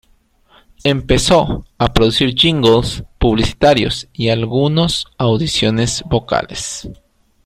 Empezó a producir jingles publicitarios y algunos audiciones vocales.